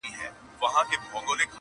او خبري نه ختمېږي هېڅکله.